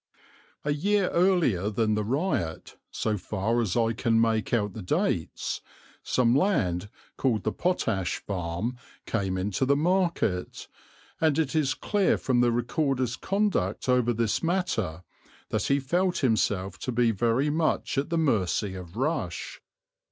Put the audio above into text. A year earlier than the riot, so far as I can make out the dates, some land called the Potash Farm came into the market, and it is clear from the Recorder's conduct over this matter that he felt himself to be very much at the mercy of Rush.